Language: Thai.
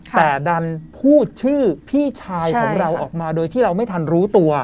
แต่ดันพูดชื่อพี่ชายของเราออกมาโดยที่เราไม่ทันรู้ตัว